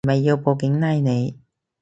係咪要報警拉你